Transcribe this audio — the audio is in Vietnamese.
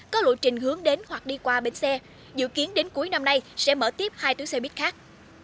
có lộ trình hướng đến hoặc đi qua bến xe dự kiến đến cuối năm nay sẽ mở tiếp hai túi xe buýt khác